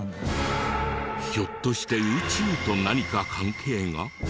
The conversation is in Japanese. ひょっとして宇宙と何か関係が？